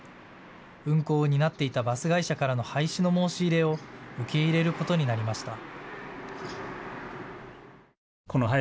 運行を担っていたバス会社からの廃止の申し入れを受け入れることになりました。